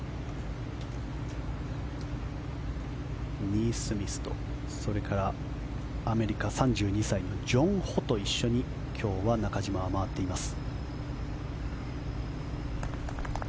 ニースミスと、それからアメリカ３２歳のジョン・ホと一緒に今日は中島は回っています。